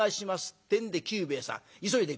ってんで久兵衛さん急いで国へ。